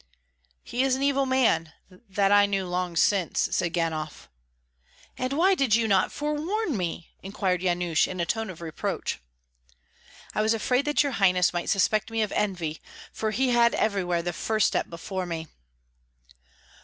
"He is an evil man; that I knew long since," said Ganhoff. "And why did you not forewarn me?" inquired Yanush, in a tone of reproach. "I was afraid that your highness might suspect me of envy, for he had everywhere the first step before me."